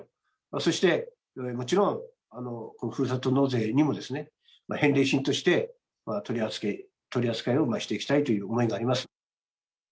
そして、もちろんふるさと納税にも返礼品として、取り扱いをしていきたいという思いがあります。